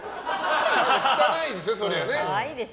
汚いですよ、そりゃね。